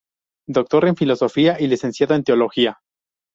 Doctor en Filosofía y licenciado en Teología.